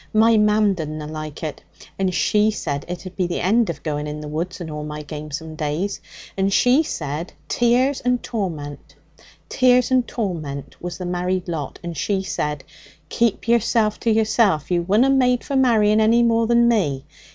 'My mam didna like it. And she said it'd be the end of going in the woods and all my gamesome days. And she said tears and torment, tears and torment was the married lot. And she said, "Keep yourself to yourself. You wunna made for marrying any more than me.